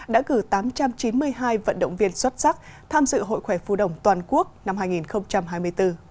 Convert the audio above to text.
đã gửi tám trăm chín mươi hai vận động viên xuất sắc tham dự hội khỏe phu đồng toàn quốc năm hai nghìn hai mươi bốn